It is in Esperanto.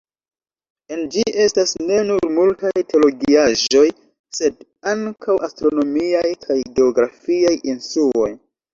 En ĝi estas ne nur multaj teologiaĵoj, sed ankaŭ astronomiaj kaj geografiaj instruoj.